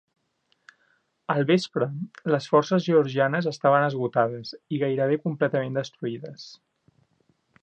Al vespre, les forces georgianes estaven esgotades i gairebé completament destruïdes.